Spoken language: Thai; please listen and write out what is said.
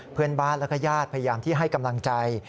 เพื่อนบ้านแล้วก็ญาติพยายามที่ให้กำลังใจ